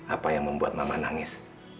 apa yang membuat mama nangis